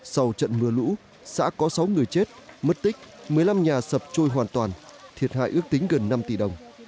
sau trận mưa lũ xã có sáu người chết mất tích một mươi năm nhà sập trôi hoàn toàn thiệt hại ước tính gần năm tỷ đồng